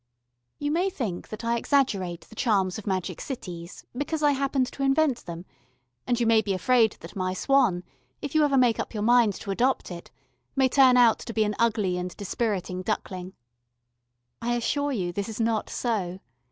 You may think that I exaggerate the charms of magic cities, because I happened to invent them, and you may be afraid that my swan, if you ever make up your mind to adopt it, may turn out to be an ugly and dispiriting duckling. I assure you this is not so.